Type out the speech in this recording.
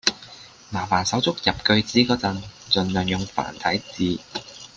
麻煩手足入句子嗰陣，盡量用繁體字